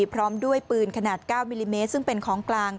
พร้อมด้วยปืนขนาด๙มิลลิเมตรซึ่งเป็นของกลาง